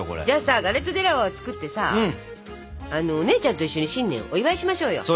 じゃあさガレット・デ・ロワを作ってさお姉ちゃんと一緒に新年をお祝いしましょうよ。